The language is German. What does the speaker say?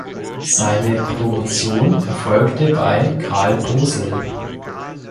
Seine Promotion erfolgte bei Karl Bosl.